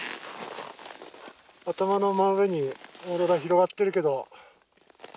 頭の真上にオーロラ広がってるけど。